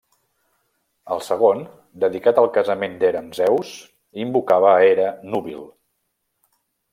El segon, dedicat al casament d'Hera amb Zeus, invocava a Hera núbil.